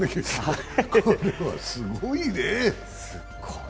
これはすごいね。